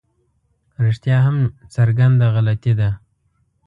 رښتیا هم څرګنده غلطي ده.